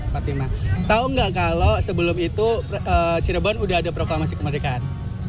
tapi mbak tau gak kalau sebelum itu cirebon sudah ada proklamasi kemerdekaan